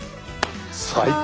最高。